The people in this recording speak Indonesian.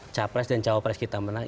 capres dan cawapres kita menang